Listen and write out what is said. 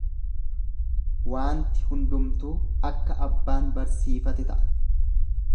Waanti hundumtuu akka abbaan barsiifate ta'a.